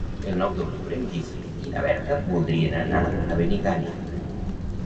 El nou d'octubre en Guifré i na Berta voldrien anar a Benigànim.